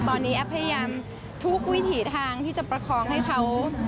ตอนนี้แอฟพยายามทุกวิถีทางที่จะประคองให้เขา